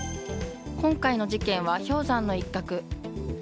今回の事件は氷山の一角。